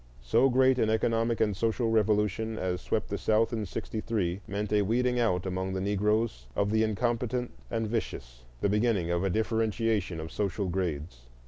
So great an economic and social revolution as swept the South in '63 meant a weeding out among the Negroes of the incompetents and vicious, the beginning of a differentiation of social grades.